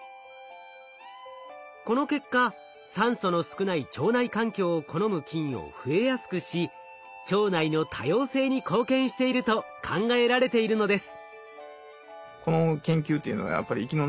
この結果酸素の少ない腸内環境を好む菌を増えやすくし腸内の多様性に貢献していると考えられているのです。